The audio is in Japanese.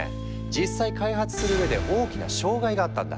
実際開発するうえで大きな障害があったんだ。